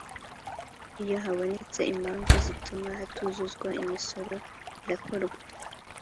iyo habonetse impamvu zituma hatuzuzwa imisoro birakorwa